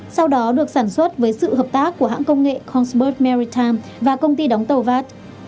sau đó được sản xuất với sự hợp tác của hãng công nghệ kongsberg maritime và công ty đóng tàu vat